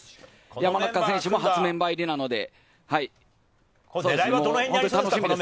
山中選手も初メンバー入りなので、本当に楽しみです。